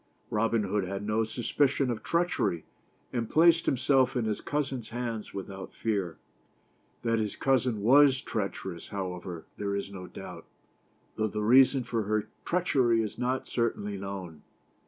Robin Hood had no suspicion of treachery, and placed himself in his cousin's hands without fear. That his cousin was treacherous, however, there is no doubt, though the rea son for her treachery is not certainly known.